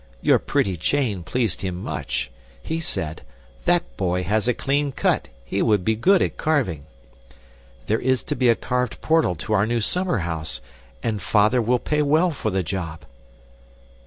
Your pretty chain pleased him much. He said, 'That boy has a clean cut; he would be good at carving.' There is to be a carved portal to our new summer house, and father will pay well for the job."